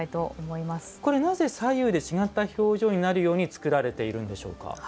これ、なぜ左右で違った表情になるように作られているんでしょうか？